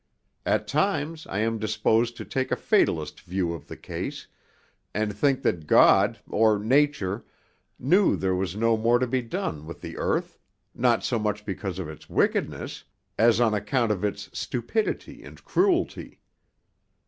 At times I am disposed to take a fatalist view of the case, and think that God, or Nature, knew there was no more to be done with the earth, not so much because of its wickedness, as on account of its stupidity and cruelty.